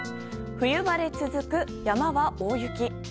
冬晴れ続く、山は大雪。